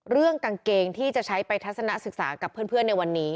กางเกงที่จะใช้ไปทัศนะศึกษากับเพื่อนในวันนี้